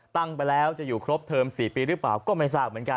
ตั้งไปแล้วจะอยู่ครบเทอม๔ปีหรือเปล่าก็ไม่ทราบเหมือนกัน